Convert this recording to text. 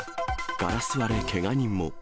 ガラス割れけが人も。